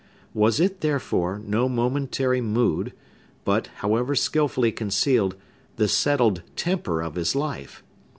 Was it, therefore, no momentary mood, but, however skilfully concealed, the settled temper of his life?